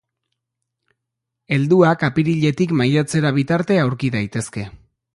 Helduak apiriletik maiatzera bitarte aurki daitezke.